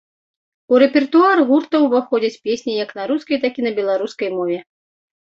У рэпертуар гурта ўваходзяць песні як на рускай, так і на беларускай мове.